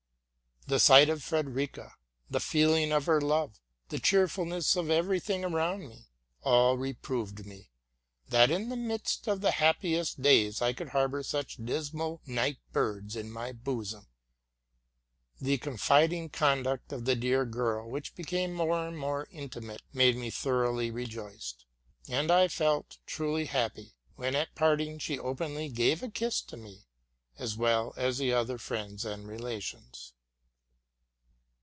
The sight of Frederica, the feeling of her love, the cheerfulness of every thing around me, all reproved me, that, in the midst of the happiest days, I could harbor such dismal night birds in my bosom. The confiding conduct of the dear girl, which became more and more intimate, made me thoroughly rejoiced ; and J felt truly happy when, at parting, she openly gave a kiss to me, as well as the other friends and relations.